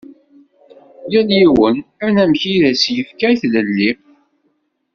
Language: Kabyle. Yal yiwen anamek i as-yefka i tlelli.